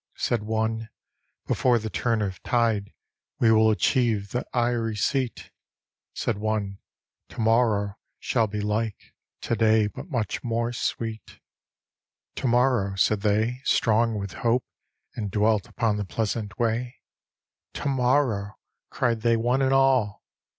Said one, " Before the turn of tide We will achieve the eyrie seat." Said one, " To morrow shall be like To day, but mudi more sweet" " To morrow," said they, strong with hope, And dwelt upon the pleasant way: " To morrow," cried they one and all.